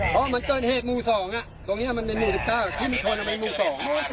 พี่โน๊ตอ่ะอ๋อมันเจินเหตุมูลสองอ่ะตรงเนี้ยมันเป็นมูลสิบเจ้าที่มีชนมันเป็นมูลสอง